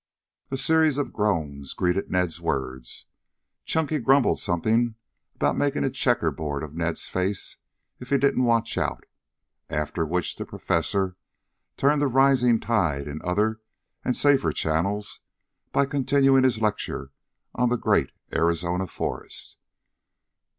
A series of groans greeted Ned's words. Chunky grumbled something about making a checker board of Ned's face if he didn't watch out, after which the Professor turned the rising tide into other and safer channels by continuing his lecture on the great Arizona forest.